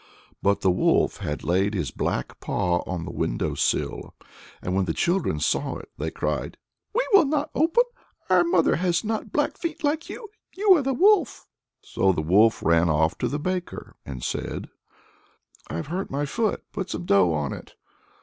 But the wolf had laid his black paw on the window sill, and when the children saw it, they cried, "We will not open; our mother has not black feet like you you are the wolf." So the wolf ran off to the baker, and said, "I have hurt my foot, put some dough on it."